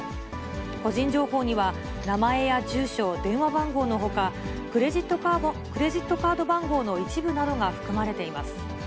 個人情報には、名前や住所、電話番号のほか、クレジットカード番号の一部などが含まれています。